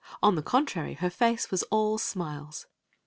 On the con trary, her face was all smiles.